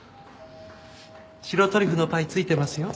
白トリュフのパイ付いてますよ。